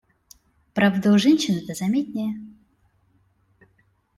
Правда у женщин это заметнее.